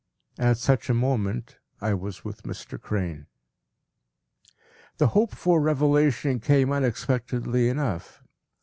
At such a moment, I was with Mr. Crane. The hoped for revelation came unexpectedly enough.